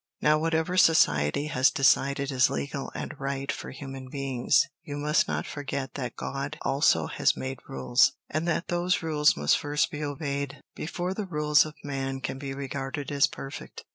Now whatever society has decided is legal and right for human beings, you must not forget that God also has made rules, and that those rules must first be obeyed, before the rules of man can be regarded as perfect.